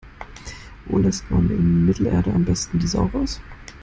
Wo lässt man in Mittelerde am besten die Sau raus?